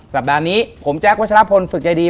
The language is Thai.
สัปดาห์นี้ผมแจ๊ควัชลพลฝึกใจดี